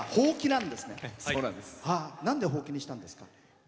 なんで、ほうきにしたんですか？